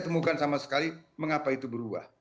temukan sama sekali mengapa itu berubah